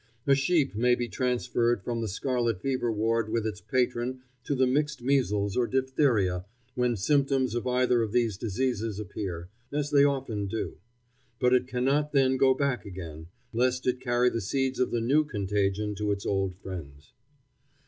A sheep may be transferred from the scarlet fever ward with its patron to the mixed measles or diphtheria, when symptoms of either of these diseases appear, as they often do; but it cannot then go back again, lest it carry the seeds of the new contagion to its old friends.